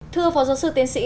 thưa phó giáo sư tiến sĩ